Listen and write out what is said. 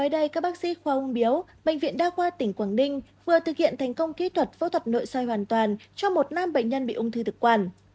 đây các bác sĩ khoa ung biếu bệnh viện đa khoa tỉnh quảng ninh vừa thực hiện thành công kỹ thuật phẫu thuật nội soi hoàn toàn cho một nam bệnh nhân bị ung thư thực quản